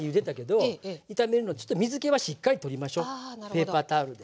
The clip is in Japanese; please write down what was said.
ペーパータオルで。